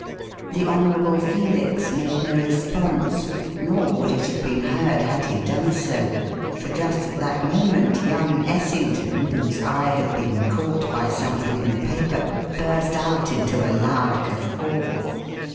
The Honourable Felix made no response, nor would it have been heard had he done so; for just at that moment young Essington, whose eye had been caught by something in the paper, burst out into a loud guffaw.